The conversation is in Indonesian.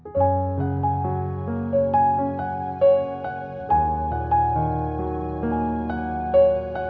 bapak seharusnya nyuruh